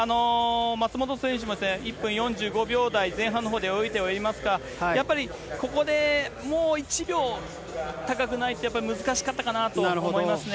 松元選手も１分４５秒台前半のほうで泳いではいますが、やっぱりここでもう１秒、高くないとやっぱり難しかったかなと思いますね。